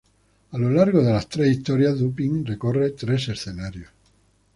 A lo largo de las tres historias, Dupin recorre tres escenarios.